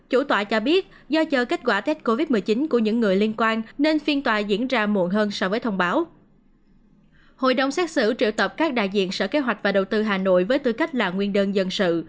hội đồng xét xử triệu tập các đại diện sở kế hoạch và đầu tư hà nội với tư cách là nguyên đơn dân sự